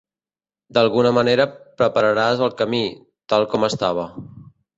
D'alguna manera prepararàs el camí, tal com estava.